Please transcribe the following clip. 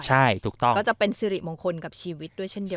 ใช่ถูกต้องก็จะเป็นสิริมงคลกับชีวิตด้วยเช่นเดียว